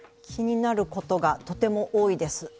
気になることがとても多いです。